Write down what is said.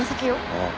ああ。